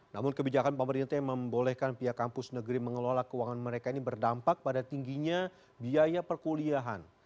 namun kebijakan pemerintah yang membolehkan pihak kampus negeri mengelola keuangan mereka ini berdampak pada tingginya biaya perkuliahan